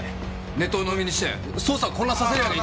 ネットをうのみにして捜査を混乱させるわけには。